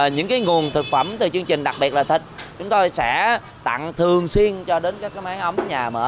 những nguồn thực phẩm từ chương trình đặc biệt là thịt chúng tôi sẽ tặng thường xuyên cho đến các máy ấm nhà mở